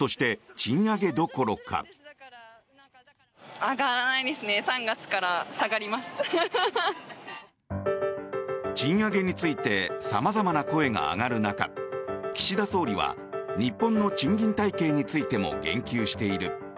賃上げについて様々な声が上がる中、岸田総理は日本の賃金体系についても言及している。